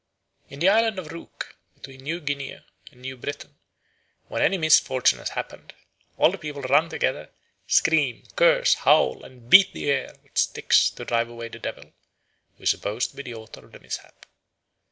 In the island of Rook, between New Guinea and New Britain, when any misfortune has happened, all the people run together, scream, curse, howl, and beat the air with sticks to drive away the devil, who is supposed to be the author of the mishap.